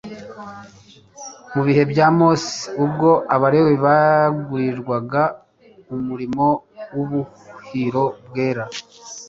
Mu bihe bya Mose ubwo Abalewi begurirwaga umurimo w'ubuhiro bwera,